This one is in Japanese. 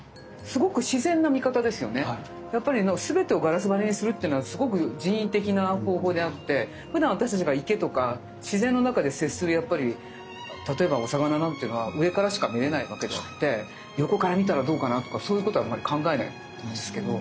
全てをガラス張りにするっていうのはすごく人為的な方法であってふだん私たちが池とか自然の中で接する例えばお魚なんていうのは上からしか見えないわけであって横から見たらどうかなとかそういうことはあんまり考えないと思うんですけど。